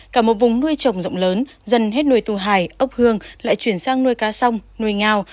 cả một vùng nuôi trồng rộng lớn dần hết nuôi tu hải ốc hương lại chuyển sang nuôi cá sông nuôi ngao